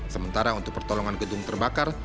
sementara untuk pertolongan gedung terbakar